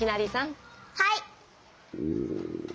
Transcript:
はい！